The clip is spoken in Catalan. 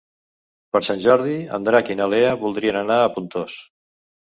Per Sant Jordi en Drac i na Lea voldrien anar a Pontós.